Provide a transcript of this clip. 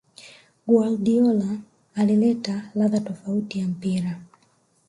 Guardiola alileta ladha tofauti ya mpira